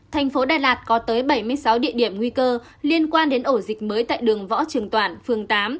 thành phố đà lạt có tới bảy mươi sáu địa điểm nguy cơ liên quan đến ổ dịch mới tại đường võ trường toản phường tám